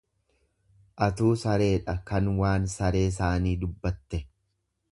Atuu sareedha kan waan saree saanii dubbatte.